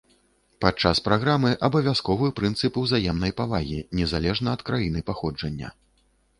Падчас праграмы абавязковы прынцып узаемнай павагі, незалежна ад краіны паходжання.